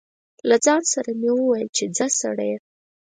له ځان سره مې و ویل چې ځه سړیه.